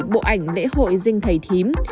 bộ ảnh lễ hội dinh thầy thím